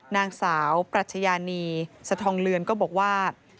นางสาวปรัชญานีสะทองเลือนก็บอกว่า